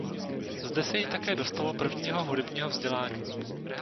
Zde se jí také dostalo prvního hudebního vzdělání.